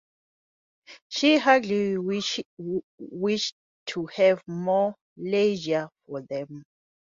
She hardly wished to have more leisure for them.